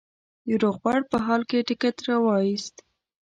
د روغبړ په حال کې ټکټ را وایست.